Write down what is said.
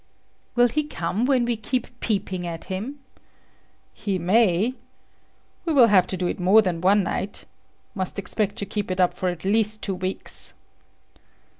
"Will he come when we keep peeping at him?" "He may. We will have to do it more than one night. Must expect to keep it up for at least two weeks."